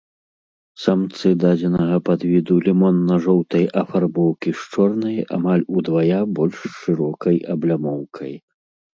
Самцы дадзенага падвіду лімонна-жоўтай афарбоўкі з чорнай, амаль удвая больш шырокай аблямоўкай.